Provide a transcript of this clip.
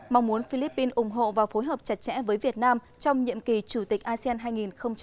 mong muốn philippines ủng hộ và phối hợp chặt chẽ với việt nam trong nhiệm kỳ chủ tịch asean hai nghìn hai mươi